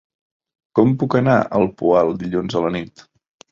Com puc anar al Poal dilluns a la nit?